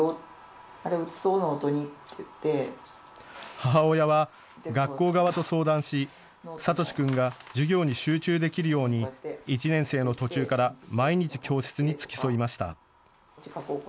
母親は学校側と相談しサトシ君が授業に集中できるように１年生の途中から毎日、教室に付き添いました。